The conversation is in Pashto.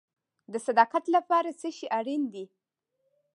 د صداقت لپاره څه شی اړین دی؟